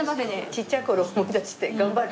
ちっちゃい頃を思い出して頑張る。